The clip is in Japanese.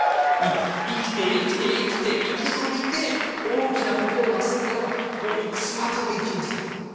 生きて生きて生きて生き延びて大きなことをなせるんであればもういつまでも生きなさい。